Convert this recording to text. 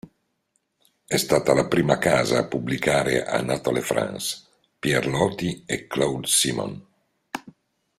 È stata la prima casa a pubblicare Anatole France, Pierre Loti e Claude Simon.